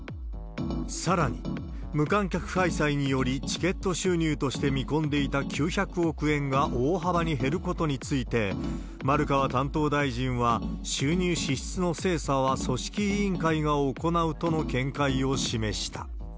さらに、無観客開催によりチケット収入として見込んでいた９００億円が大幅に減ることについて、丸川担当大臣は、収入、支出の精査は組織委員会が行うとの見解を示した。